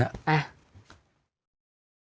ไป